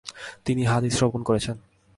তিনি হাদিস শ্রবণ করেছেন ।